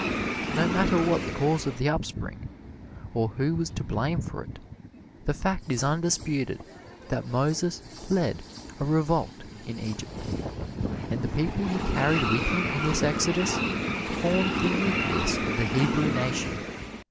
No matter what the cause of the uprising, or who was to blame for it, the fact is undisputed that Moses led a revolt in Egypt, and the people he carried with him in this exodus formed the nucleus of the Hebrew Nation.